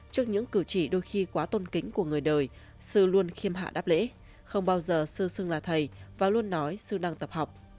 trước những cử chỉ đôi khi quá tôn kính của người đời sư luôn khiêm hạ đáp lễ không bao giờ sơ sưng là thầy và luôn nói sư đang tập học